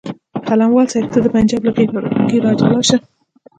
قلموال صاحب ته د پنجاب له غېږې راجلا شه.